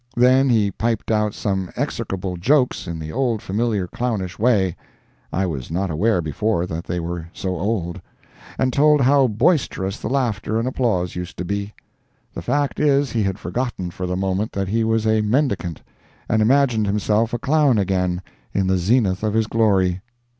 Then he piped out some execrable jokes in the old familiar clownish way (I was not aware before that they were so old), and told how boisterous the laughter and applause used to be. The fact is he had forgotten for the moment that he was a mendicant, and imagined himself a clown again, in the zenith of his glory.